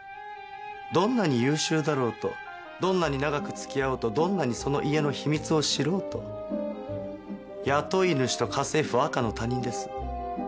どんなに優秀だろうとどんなに長く付き合おうとどんなにその家の秘密を知ろうと雇い主と家政婦は赤の他人です。